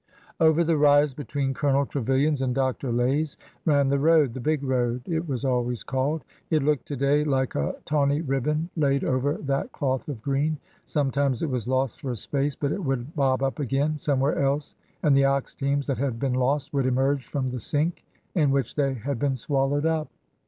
Over the rise, between Colonel Trevilian's and Dr. Lay's, ran the road— the " big road " it was always called. It looked to day like a tawny ribbon laid over that cloth of green. Sometimes it was lost for a space, but it would bob up again somewhere else, and the ox teams that had been lost would emerge from the '' sink " in which they had been swallowed up.